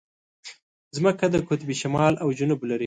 مځکه د قطب شمال او جنوب لري.